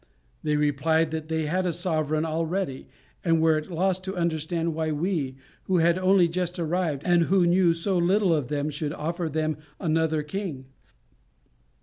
They replied that they had a sovereign already, and were at a loss to understand why we, who had only just arrived, and who knew so little of them, should offer them another king."